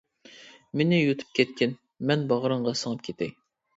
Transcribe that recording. مېنى يۇتۇپ كەتكىن، مەن باغرىڭغا سىڭىپ كېتەي.